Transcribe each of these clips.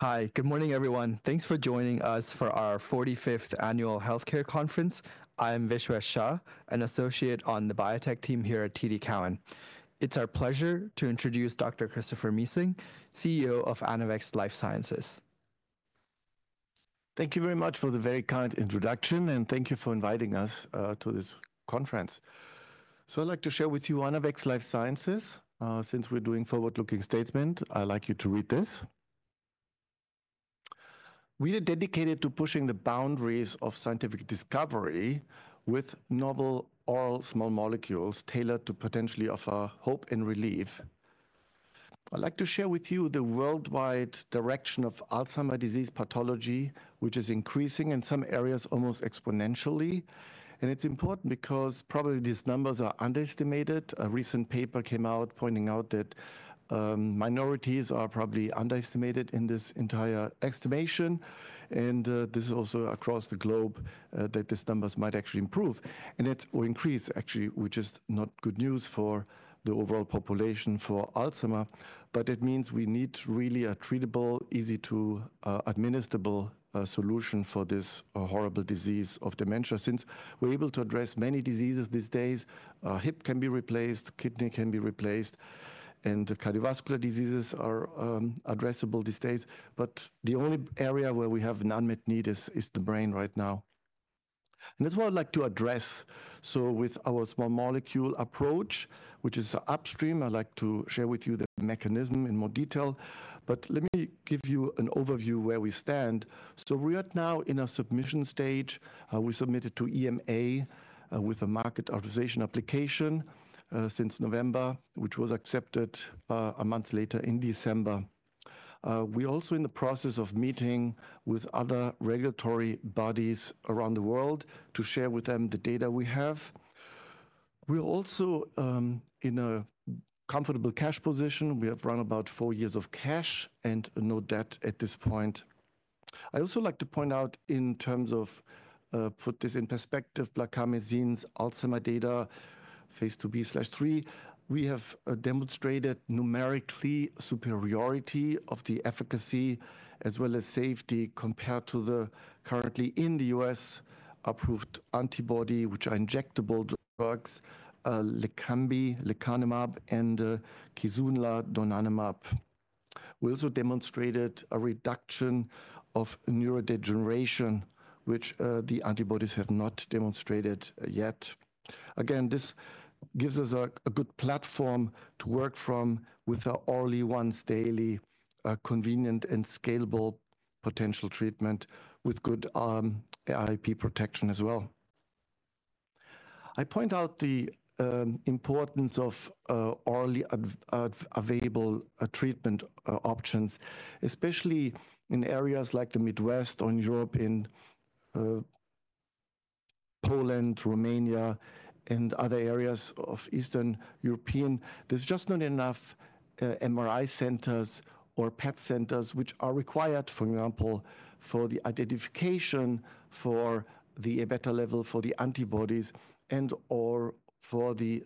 Hi, good morning, everyone. Thanks for joining us for our 45th Annual Healthcare Conference. I'm Vishwesh Shah, an associate on the biotech team here at TD Cowen. It's our pleasure to introduce Dr. Christopher Missling, CEO of Anavex Life Sciences. Thank you very much for the very kind introduction, and thank you for inviting us to this conference. I'd like to share with you Anavex Life Sciences. Since we're doing a forward-looking statement, I'd like you to read this. "We are dedicated to pushing the boundaries of scientific discovery with novel oral small molecules tailored to potentially offer hope and relief." I'd like to share with you the worldwide direction of Alzheimer's disease pathology, which is increasing in some areas almost exponentially. It's important because probably these numbers are underestimated. A recent paper came out pointing out that minorities are probably underestimated in this entire estimation. This is also across the globe that these numbers might actually improve. It will increase, actually, which is not good news for the overall population for Alzheimer's. It means we need really a treatable, easy-to-administerable solution for this horrible disease of dementia. Since we're able to address many diseases these days, hip can be replaced, kidney can be replaced, and cardiovascular diseases are addressable these days. The only area where we have an unmet need is the brain right now. That's what I'd like to address. With our small molecule approach, which is upstream, I'd like to share with you the mechanism in more detail. Let me give you an overview of where we stand. We're now in a submission stage. We submitted to EMA with a market authorization application since November, which was accepted a month later in December. We're also in the process of meeting with other regulatory bodies around the world to share with them the data we have. We're also in a comfortable cash position. We have run about four years of cash and no debt at this point. I'd also like to point out in terms of putting this in perspective, blarcamesine's Alzheimer's data, phase II-B/III, we have demonstrated numerical superiority of the efficacy as well as safety compared to the currently in the U.S. approved antibody, which are injectable drugs, Leqembi (lecanemab) and Kisunla (donanemab). We also demonstrated a reduction of neurodegeneration, which the antibodies have not demonstrated yet. Again, this gives us a good platform to work from with our early once daily, convenient and scalable potential treatment with good AIP protection as well. I point out the importance of early available treatment options, especially in areas like the Midwest or in Europe, in Poland, Romania, and other areas of Eastern European. There's just not enough MRI centers or PET centers which are required, for example, for the identification for the beta level for the antibodies and/or for the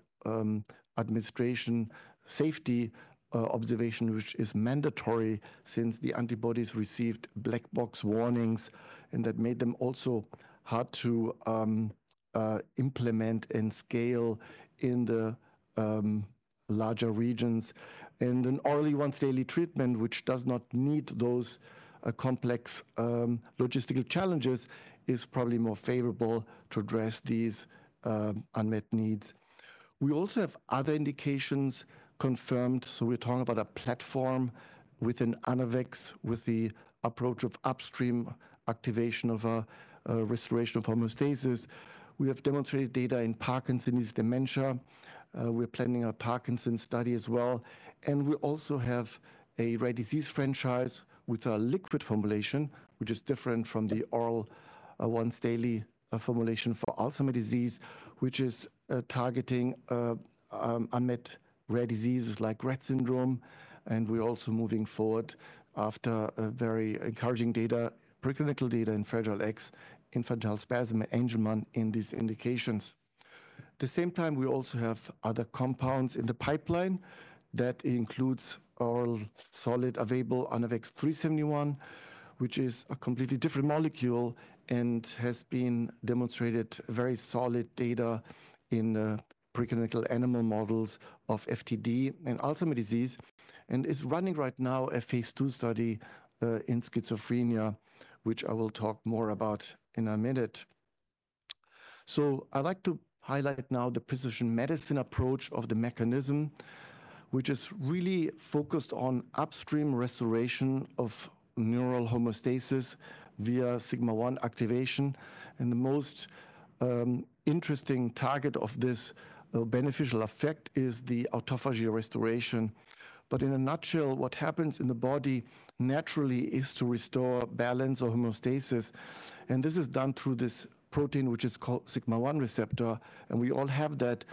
administration safety observation, which is mandatory since the antibodies received black box warnings, and that made them also hard to implement and scale in the larger regions. An oral once daily treatment, which does not need those complex logistical challenges, is probably more favorable to address these unmet needs. We also have other indications confirmed. So we're talking about a platform within Anavex with the approach of upstream activation of restoration of homeostasis. We have demonstrated data in Parkinson's dementia. We're planning a Parkinson's study as well. We also have a rare disease franchise with a liquid formulation, which is different from the oral once daily formulation for Alzheimer's disease, which is targeting unmet rare diseases like Rett syndrome. We're also moving forward after very encouraging data, preclinical data in Fragile X, infantile spasm, and Angelman in these indications. At the same time, we also have other compounds in the pipeline that includes oral solid available ANAVEX 3-71, which is a completely different molecule and has demonstrated very solid data in preclinical animal models of FTD and Alzheimer's disease. It's running right now a phase II study in schizophrenia, which I will talk more about in a minute. I'd like to highlight now the precision medicine approach of the mechanism, which is really focused on upstream restoration of neural homeostasis via sigma-1 activation. The most interesting target of this beneficial effect is the autophagy restoration. In a nutshell, what happens in the body naturally is to restore balance or homeostasis. This is done through this protein, which is called sigma-1 receptor. We all have that.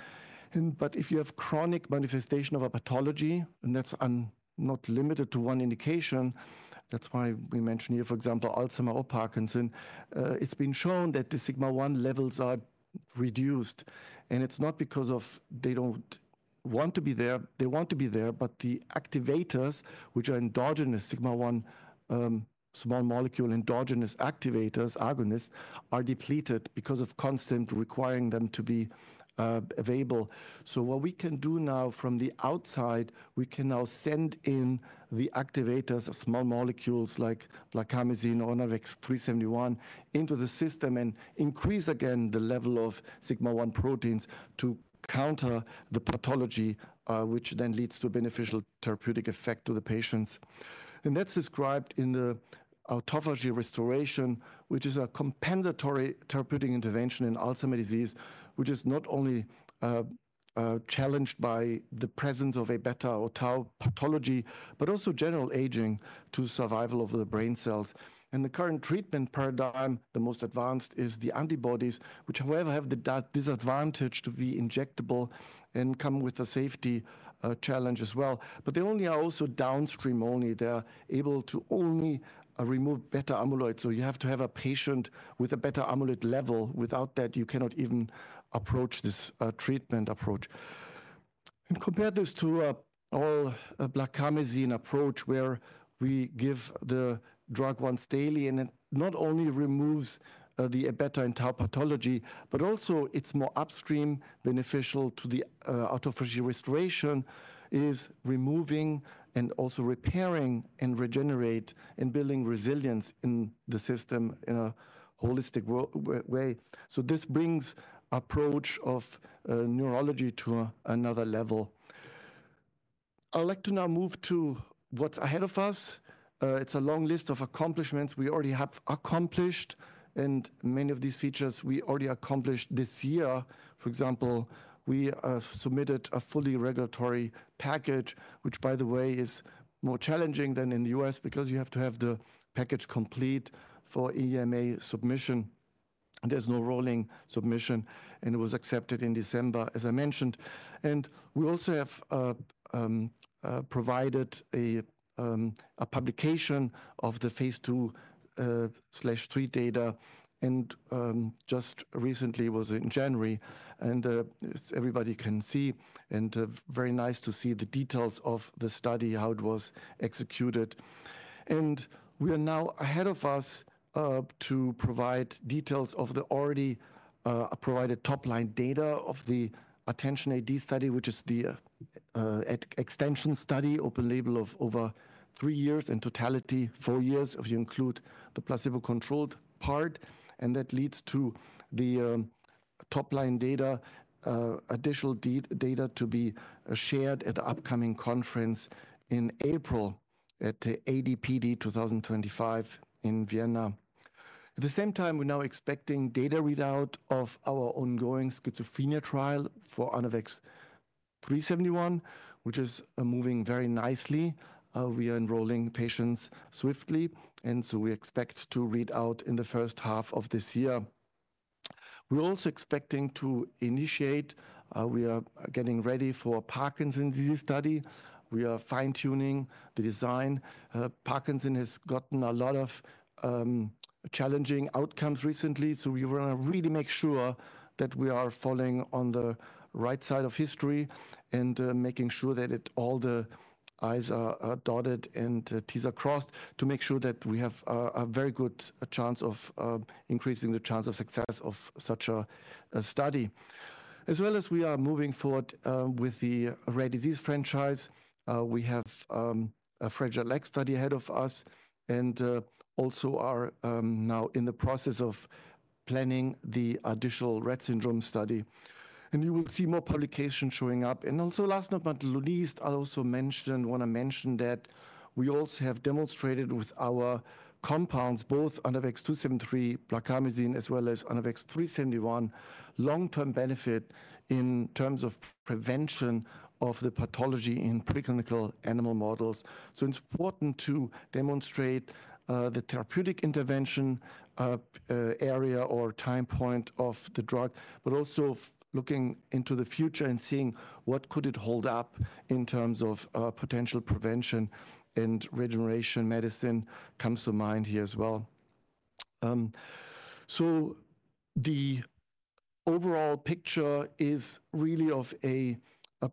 If you have chronic manifestation of a pathology, and that's not limited to one indication, that's why we mentioned here, for example, Alzheimer's or Parkinson's, it's been shown that the sigma-1 levels are reduced. It's not because they don't want to be there. They want to be there, but the activators, which are endogenous sigma-1 small molecule endogenous activators, agonists, are depleted because of constant requiring them to be available. What we can do now from the outside, we can now send in the activators, small molecules like blarcamesine or ANAVEX 3-71 into the system and increase again the level of sigma-1 proteins to counter the pathology, which then leads to beneficial therapeutic effect to the patients. That's described in the autophagy restoration, which is a compensatory therapeutic intervention in Alzheimer's disease, which is not only challenged by the presence of a beta or tau pathology, but also general aging to survival of the brain cells. The current treatment paradigm, the most advanced, is the antibodies, which, however, have the disadvantage to be injectable and come with a safety challenge as well. They only are also downstream only. They're able to only remove beta amyloid. You have to have a patient with a beta amyloid level. Without that, you cannot even approach this treatment approach. Compare this to our blarcamesine approach, where we give the drug once daily, and it not only removes the beta and tau pathology, but also it's more upstream beneficial to the autophagy restoration, is removing and also repairing and regenerate and building resilience in the system in a holistic way. This brings the approach of neurology to another level. I'd like to now move to what's ahead of us. It's a long list of accomplishments we already have accomplished, and many of these features we already accomplished this year. For example, we submitted a fully regulatory package, which, by the way, is more challenging than in the U.S. because you have to have the package complete for EMA submission. There's no rolling submission, and it was accepted in December, as I mentioned. We also have provided a publication of the phase II/III data, and just recently was in January. Everybody can see, and very nice to see the details of the study, how it was executed. We are now ahead of us to provide details of the already provided top line data of the attention AD study, which is the extension study open label of over three years in totality, four years if you include the placebo-controlled part. That leads to the top line data, additional data to be shared at the upcoming conference in April at the AD/PD 2025 in Vienna. At the same time, we're now expecting data readout of our ongoing schizophrenia trial for ANAVEX 3-71, which is moving very nicely. We are enrolling patients swiftly, and so we expect to read out in the first half of this year. We're also expecting to initiate, we are getting ready for a Parkinson's disease study. We are fine-tuning the design. Parkinson has gotten a lot of challenging outcomes recently. We want to really make sure that we are falling on the right side of history and making sure that all the I's are dotted and T's are crossed to make sure that we have a very good chance of increasing the chance of success of such a study. We are moving forward with the rare disease franchise, we have a Fragile X study ahead of us, and also are now in the process of planning the additional Rett syndrome study. You will see more publications showing up. Last but not least, I also want to mention that we also have demonstrated with our compounds, both ANAVEX 2-73, blarcamesine, as well as ANAVEX 3-71, long-term benefit in terms of prevention of the pathology in preclinical animal models. It is important to demonstrate the therapeutic intervention area or time point of the drug, but also looking into the future and seeing what could it hold up in terms of potential prevention and regeneration medicine comes to mind here as well. The overall picture is really of a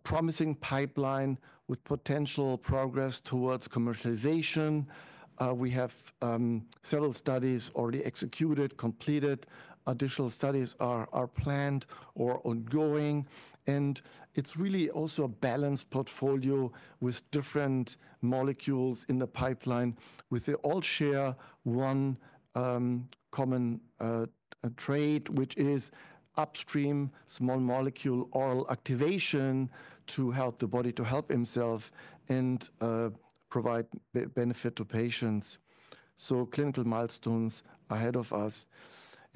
promising pipeline with potential progress towards commercialization. We have several studies already executed, completed. Additional studies are planned or ongoing. It is really also a balanced portfolio with different molecules in the pipeline, with all share one common trait, which is upstream small molecule oral activation to help the body to help himself and provide benefit to patients. Clinical milestones ahead of us.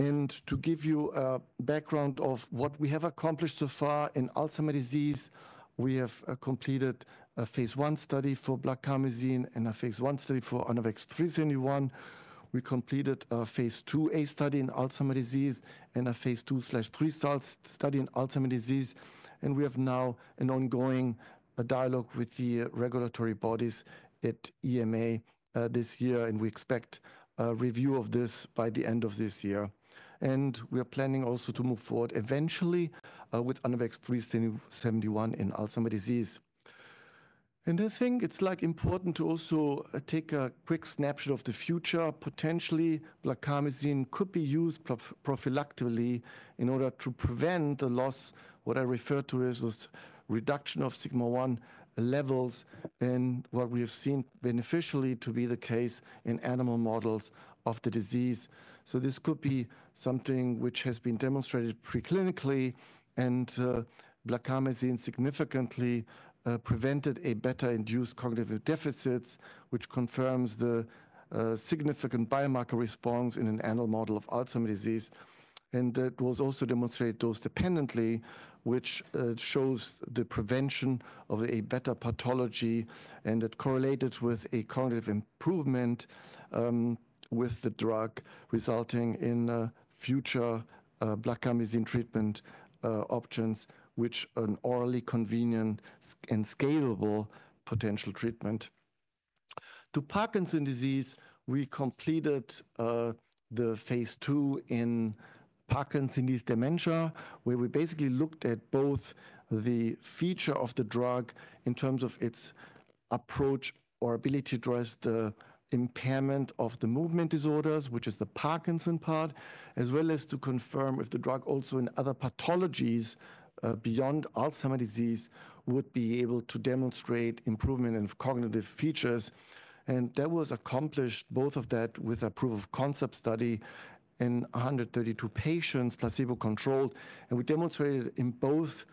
To give you a background of what we have accomplished so far in Alzheimer's disease, we have completed a phase I study for blarcamesine and a phase I study for ANAVEX 3-71. We completed a phase II-A study in Alzheimer's disease and a phase II/III study in Alzheimer's disease. We have now an ongoing dialogue with the regulatory bodies at EMA this year, and we expect a review of this by the end of this year. We are planning also to move forward eventually with ANAVEX 3-71 in Alzheimer's disease. I think it's like important to also take a quick snapshot of the future. Potentially, blarcamesine could be used prophylactically in order to prevent the loss, what I refer to as reduction of sigma-1 levels, and what we have seen beneficially to be the case in animal models of the disease. This could be something which has been demonstrated preclinically, and blarcamesine significantly prevented a beta-induced cognitive deficits, which confirms the significant biomarker response in an animal model of Alzheimer's disease. It was also demonstrated dose-dependently, which shows the prevention of a beta pathology, and it correlated with a cognitive improvement with the drug, resulting in future blarcamesine treatment options, which are an orally convenient and scalable potential treatment. To Parkinson's disease, we completed the phase II in Parkinson's dementia, where we basically looked at both the feature of the drug in terms of its approach or ability to address the impairment of the movement disorders, which is the Parkinson's part, as well as to confirm if the drug also in other pathologies beyond Alzheimer's disease would be able to demonstrate improvement in cognitive features. That was accomplished, both of that with a proof of concept study in 132 patients, placebo-controlled. We demonstrated in both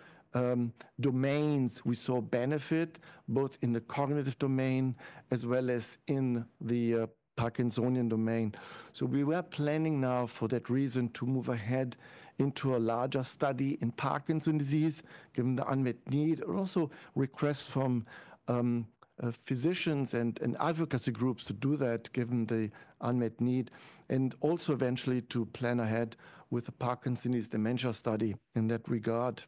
domains, we saw benefit both in the cognitive domain as well as in the Parkinsonian domain. We were planning now for that reason to move ahead into a larger study in Parkinson's disease, given the unmet need, and also requests from physicians and advocacy groups to do that, given the unmet need, and also eventually to plan ahead with a Parkinson's dementia study in that regard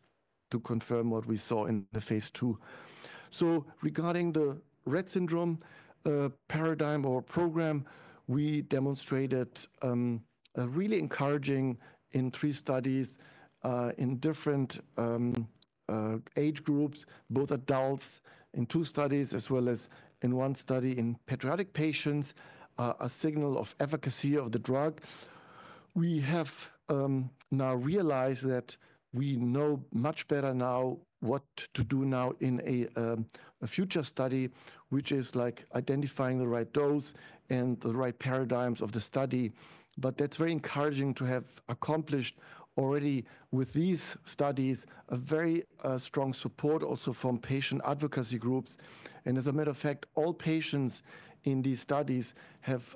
to confirm what we saw in the phase II. Regarding the Rett syndrome paradigm or program, we demonstrated a really encouraging in three studies in different age groups, both adults in two studies, as well as in one study in pediatric patients, a signal of efficacy of the drug. We have now realized that we know much better now what to do now in a future study, which is like identifying the right dose and the right paradigms of the study. That's very encouraging to have accomplished already with these studies a very strong support also from patient advocacy groups. As a matter of fact, all patients in these studies have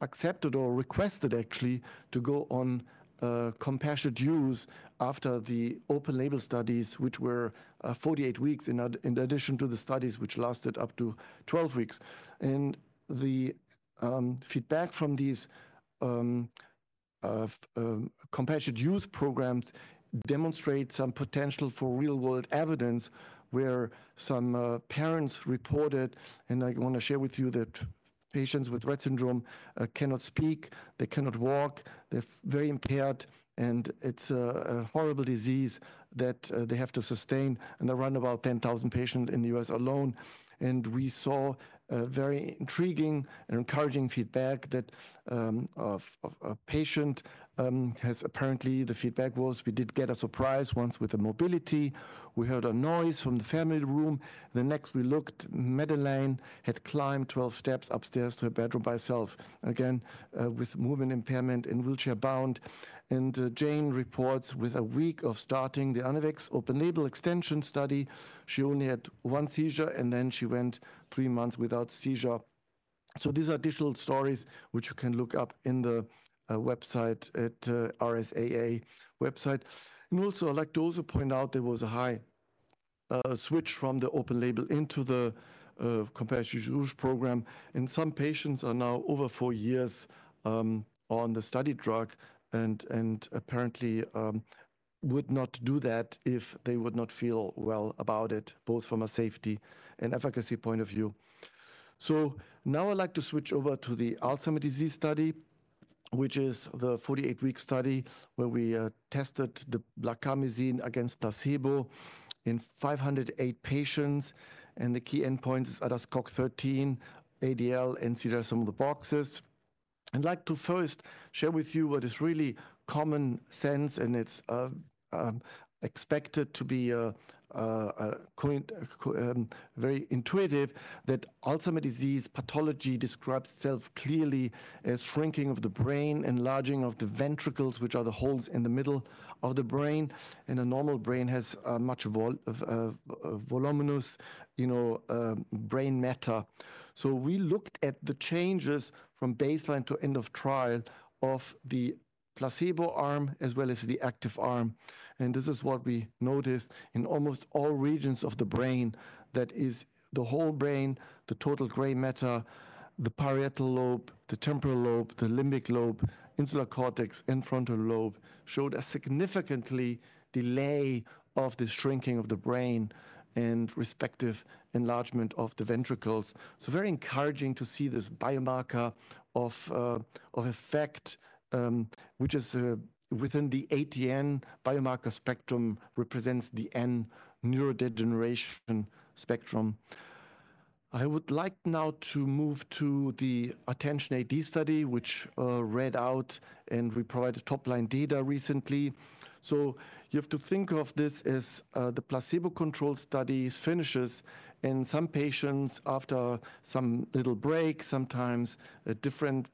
accepted or requested actually to go on compassionate use after the open label studies, which were 48 weeks in addition to the studies which lasted up to 12 weeks. The feedback from these compassionate use programs demonstrates some potential for real-world evidence where some parents reported, and I want to share with you that patients with Rett syndrome cannot speak, they cannot walk, they're very impaired, and it's a horrible disease that they have to sustain. There are around about 10,000 patients in the U.S. alone. We saw very intriguing and encouraging feedback that a patient has apparently, the feedback was we did get a surprise once with the mobility. We heard a noise from the family room. The next we looked, Madeleine had climbed 12 steps upstairs to her bedroom by herself, again with movement impairment and wheelchair bound. Jayne reports with a week of starting the Anavex open label extension study, she only had one seizure, and then she went three months without seizure. These are additional stories which you can look up in the website at RSAA website. I would like to also point out there was a high switch from the open label into the compassionate use program. Some patients are now over four years on the study drug and apparently would not do that if they would not feel well about it, both from a safety and efficacy point of view. I would like to switch over to the Alzheimer's disease study, which is the 48-week study where we tested the blarcamesine against placebo in 508 patients. The key endpoints are ADAS-Cog13, ADL, and CDR Sum of Boxes. I would like to first share with you what is really common sense, and it is expected to be very intuitive that Alzheimer's disease pathology describes itself clearly as shrinking of the brain, enlarging of the ventricles, which are the holes in the middle of the brain. A normal brain has much voluminous brain matter. We looked at the changes from baseline to end of trial of the placebo arm as well as the active arm. This is what we noticed in almost all regions of the brain. That is the whole brain, the total gray matter, the parietal lobe, the temporal lobe, the limbic lobe, insular cortex, and frontal lobe showed a significant delay of the shrinking of the brain and respective enlargement of the ventricles. Very encouraging to see this biomarker of effect, which is within the ATN biomarker spectrum, represents the N neurodegeneration spectrum. I would like now to move to the attention AD study, which read out, and we provided top line data recently. You have to think of this as the placebo-controlled studies finishes. Some patients, after some little break, sometimes different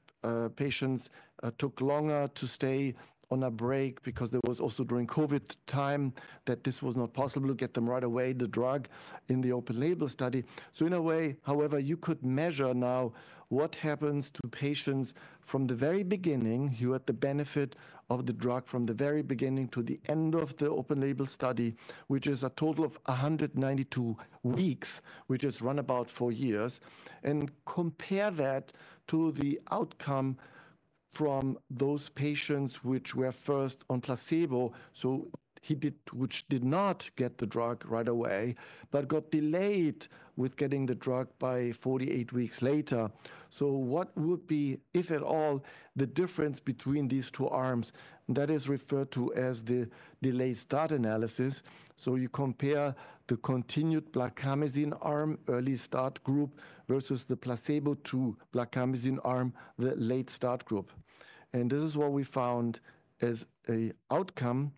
patients took longer to stay on a break because there was also during COVID time that this was not possible to get them right away, the drug in the open label study. In a way, however, you could measure now what happens to patients from the very beginning, who had the benefit of the drug from the very beginning to the end of the open label study, which is a total of 192 weeks, which is around four years. Compare that to the outcome from those patients which were first on placebo, which did not get the drug right away, but got delayed with getting the drug by 48 weeks later. What would be, if at all, the difference between these two arms? That is referred to as the delayed start analysis. You compare the continued blarcamesine arm early start group versus the placebo to blarcamesine arm, the late start group. This is what we found as an outcome.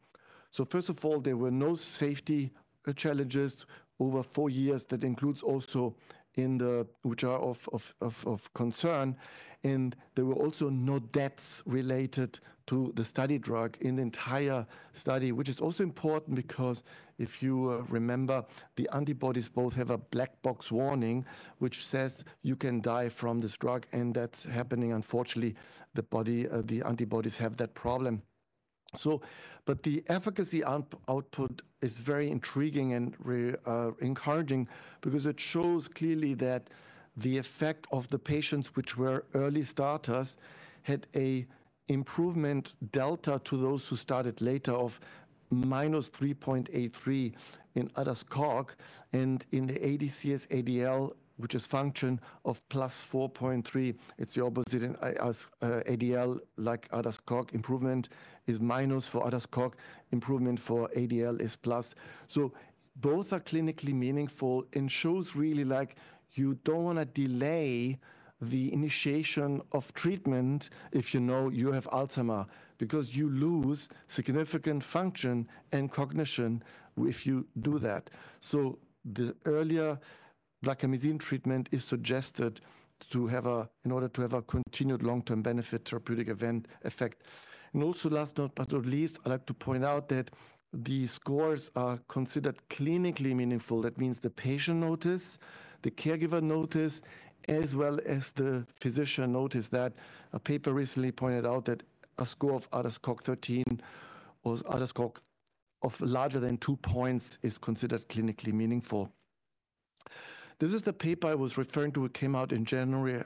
First of all, there were no safety challenges over four years that includes also in the which are of concern. There were also no deaths related to the study drug in the entire study, which is also important because if you remember, the antibodies both have a black box warning, which says you can die from this drug, and that's happening, unfortunately, the antibodies have that problem. The efficacy output is very intriguing and encouraging because it shows clearly that the effect of the patients which were early starters had an improvement delta to those who started later of minus 3.83 in ADAS-Cog13. In the ADCS-ADL, which is function, of plus 4.3, it's the opposite. ADL, like ADAS-Cog13, improvement is minus for ADAS-Cog13, improvement for ADL is plus. Both are clinically meaningful and shows really like you do not want to delay the initiation of treatment if you know you have Alzheimer's because you lose significant function and cognition if you do that. The earlier blarcamesine treatment is suggested in order to have a continued long-term benefit therapeutic event effect. Also, last but not least, I would like to point out that the scores are considered clinically meaningful. That means the patient notice, the caregiver notice, as well as the physician notice that a paper recently pointed out that a score of ADAS-Cog13 or ADAS-Cog of larger than two points is considered clinically meaningful. This is the paper I was referring to. It came out in January.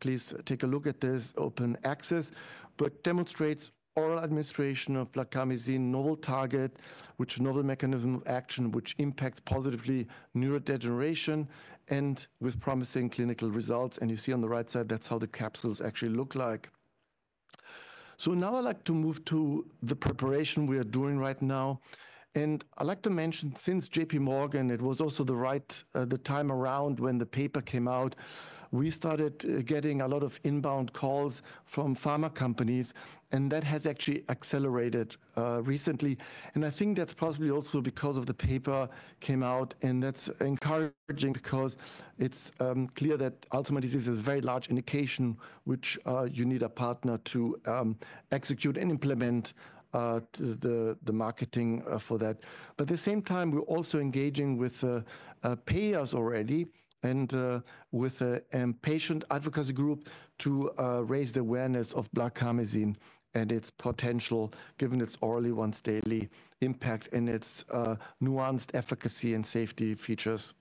Please take a look at this open access, but demonstrates oral administration of blarcamesine, novel target, which novel mechanism of action, which impacts positively neurodegeneration and with promising clinical results. You see on the right side, that's how the capsules actually look like. Now I'd like to move to the preparation we are doing right now. I'd like to mention since JPMorgan, it was also the right the time around when the paper came out, we started getting a lot of inbound calls from pharma companies, and that has actually accelerated recently. I think that's possibly also because of the paper came out, and that's encouraging because it's clear that Alzheimer's disease is a very large indication, which you need a partner to execute and implement the marketing for that. At the same time, we're also engaging with payers already and with a patient advocacy group to raise the awareness of blarcamesine and its potential, given its orally once daily impact and its nuanced efficacy and safety features.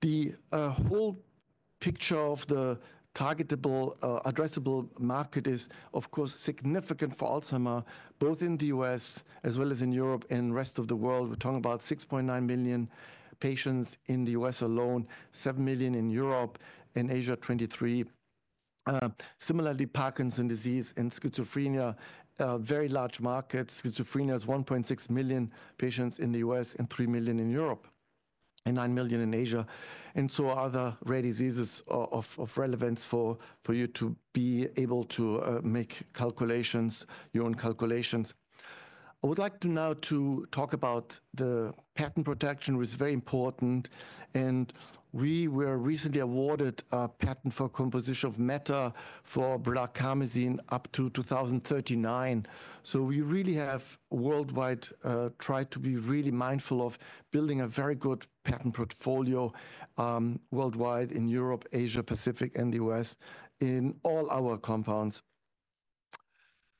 The whole picture of the targetable, addressable market is, of course, significant for Alzheimer's, both in the U.S. as well as in Europe and rest of the world. We're talking about 6.9 million patients in the U.S. alone, 7 million in Europe and Asia 23. Similarly, Parkinson's disease and schizophrenia, very large markets. Schizophrenia is 1.6 million patients in the U.S. and 3 million in Europe and 9 million in Asia. So are the rare diseases of relevance for you to be able to make calculations, your own calculations. I would like to now talk about the patent protection, which is very important. We were recently awarded a patent for composition of matter for blarcamesine up to 2039. We really have worldwide tried to be really mindful of building a very good patent portfolio worldwide in Europe, Asia, Pacific, and the U.S. in all our compounds.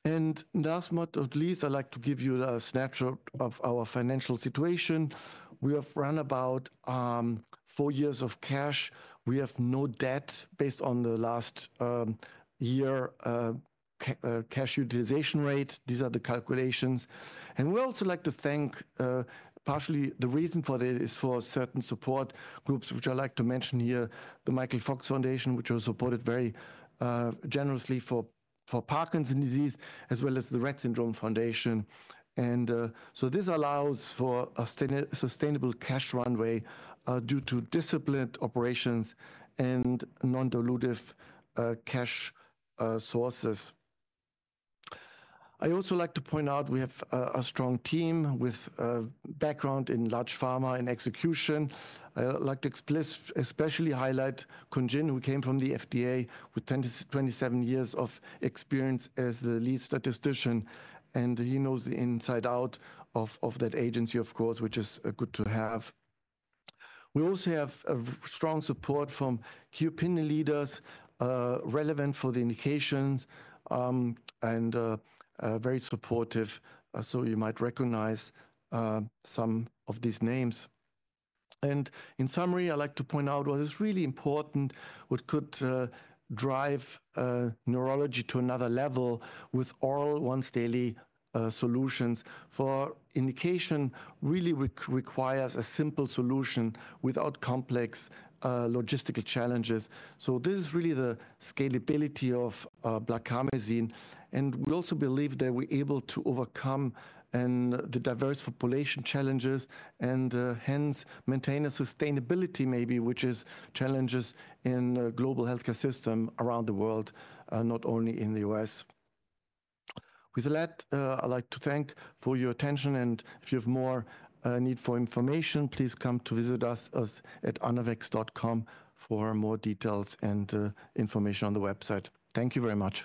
Last but not least, I'd like to give you a snapshot of our financial situation. We have run about four years of cash. We have no debt based on the last year cash utilization rate. These are the calculations. We also like to thank partially the reason for this is for certain support groups, which I'd like to mention here, the Michael Fox Foundation, which was supported very generously for Parkinson's disease, as well as the Rett Syndrome Foundation. This allows for a sustainable cash runway due to disciplined operations and non-dilutive cash sources. I also like to point out we have a strong team with background in large pharma and execution. I'd like to especially highlight Kun Jin, who came from the FDA with 27 years of experience as the lead statistician. He knows the inside out of that agency, of course, which is good to have. We also have strong support from key opinion leaders relevant for the indications and very supportive. You might recognize some of these names. In summary, I'd like to point out what is really important, what could drive neurology to another level with oral once daily solutions. For indication, really requires a simple solution without complex logistical challenges. This is really the scalability of blarcamesine. We also believe that we're able to overcome the diverse population challenges and hence maintain a sustainability maybe, which is challenges in the global healthcare system around the world, not only in the U.S. With that, I'd like to thank for your attention. If you have more need for information, please come to visit us at anavex.com for more details and information on the website. Thank you very much.